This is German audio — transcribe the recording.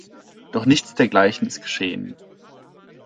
Doch nichts Dergleichen ist geschehen.